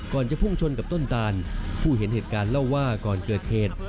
จะพุ่งชนกับต้นตานผู้เห็นเหตุการณ์เล่าว่าก่อนเกิดเหตุ